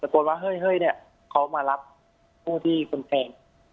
แต่บทวนว่าเฮ้ยเฮ้ยเนี่ยเขามารับผู้ที่คนแทง